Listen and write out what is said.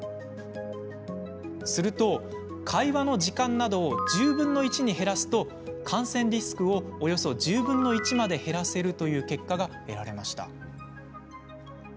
すると、会話の時間などを１０分の１に減らすと感染リスクをおよそ１０分の１まで減らせるという結果が得られました。